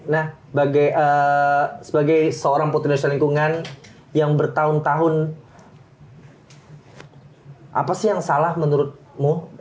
nah sebagai seorang putri indonesia lingkungan yang bertahun tahun apa sih yang salah menurutmu